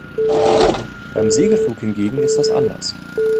Beim Segelflug hingegen ist das anders.